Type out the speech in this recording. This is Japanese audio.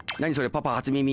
パパ初耳！